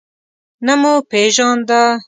نه مو پیژانده.